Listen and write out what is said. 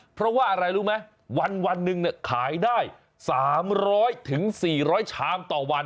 เพราะว่าอะไรรู้ไหมวันหนึ่งขายได้๓๐๐๔๐๐ชามต่อวัน